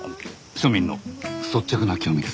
庶民の率直な興味です。